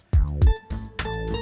ya udah aku tunggu